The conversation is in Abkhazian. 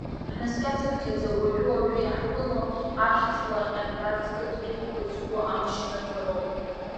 Ҳнаскьацԥхьаӡа уажәы-уажәы иаҳԥыло ашә-ҵла ҟьантаз қыд дуқәа зқәу амашьынақәа роуп.